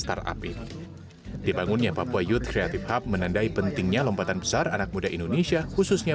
dalam sebuah wadah besar yang namanya